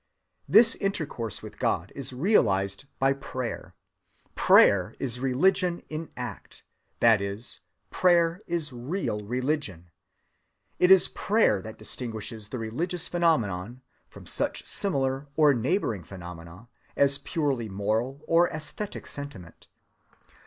This intercourse with God is realized by prayer. Prayer is religion in act; that is, prayer is real religion. It is prayer that distinguishes the religious phenomenon from such similar or neighboring phenomena as purely moral or æsthetic sentiment.